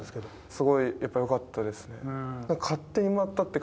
すごいやっぱりよかったです